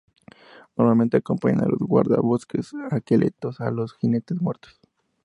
Normalmente acompañan a los guardabosques esqueletos o a los jinetes muertos.